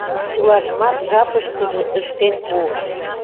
Чылажымат жапыштыже ыштен пуыш.